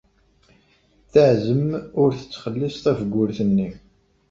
Teɛzem ur tettxelliṣ tafgurt-nni.